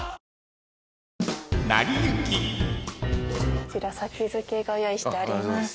こちら先付けご用意しております。